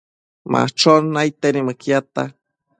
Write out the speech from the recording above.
Machon naidtedi mëquiadta